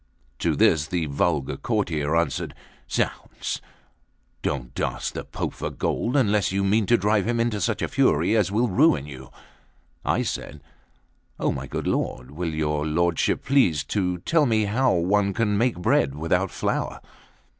To this the vulgar courtier answered: "Zounds! don't ask the Pope for gold, unless you mean to drive him into such a fury as will ruin you." I said: "Oh, my good lord, will your lordship please to tell me how one can make bread without flour?